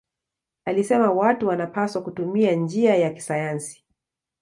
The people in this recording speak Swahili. Alisema watu wanapaswa kutumia njia ya kisayansi.